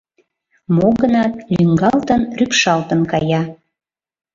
Мо-гынат, лӱҥгалтын, рӱпшалтын кая.